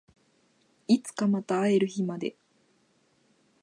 いつかまた会える日まで